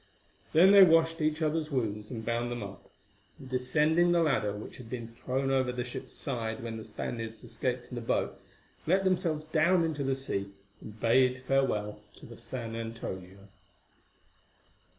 Then they washed each other's wounds and bound them up, and descending the ladder which had been thrown over the ship's side when the Spaniards escaped in the boat, let themselves down into the sea and bade farewell to the San Antonio.